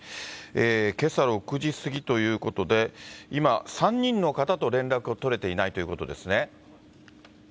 けさ６時過ぎということで、今、３人の方と連絡が取れていないということですね。